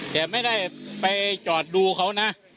แต่ไม่ได้ไปจอดดูเขานะ